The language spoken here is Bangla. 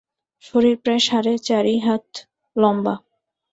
শরীর প্রায় সাড়ে চারি হাত লম্বা।